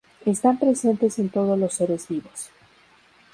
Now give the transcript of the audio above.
Están presentes en todos los seres vivos.